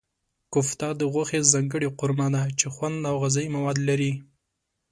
کوفته د غوښې ځانګړې قورمه ده چې خوند او غذايي مواد لري.